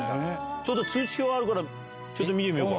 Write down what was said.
ちょうど通知表あるから、ちょっと見てみようか。